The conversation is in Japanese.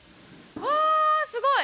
わすごい！